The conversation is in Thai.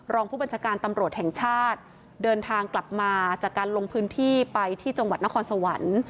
รองผู้บัญชาการตำรวจแห่งชาติเดินทางกลับมาจากการลงพื้นที่ไปที่จังหวัดนครสวรรค์